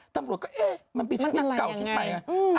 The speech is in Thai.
ตำรวจก็เอ๊ะมันเป็นชนิดเก่าชนิดใหม่